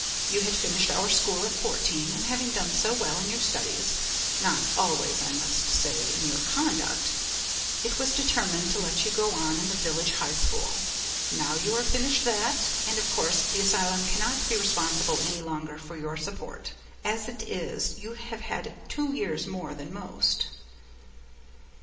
You had finished our school at fourteen, and having done so well in your studies not always, I must say, in your conduct it was determined to let you go on in the village high school. Now you are finishing that, and of course the asylum cannot be responsible any longer for your support. As it is, you have had two years more than most.'